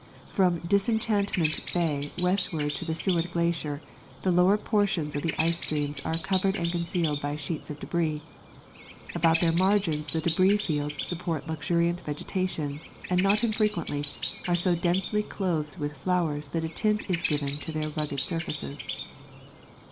From Disenchantment bay westward to the Seward glacier the lower portions of the ice streams are covered and concealed by sheets of debris. About their margins the debris fields support luxuriant vegetation, and not infrequently are so densely clothed with flowers that a tint is given to their rugged surfaces.